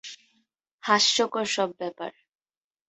হাস্যকর সব ব্যাপার।